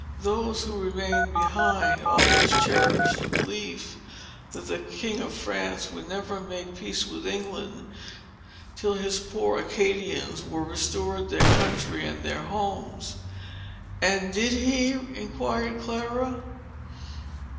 Those, who remained behind, always cherished a belief, that the king of France would never make peace with England, till his poor Acadians were restored their country and their homes." "And did he?" inquired Clara.